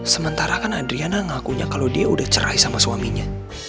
sementara kan adriana ngakunya kalau dia udah cerai sama suaminya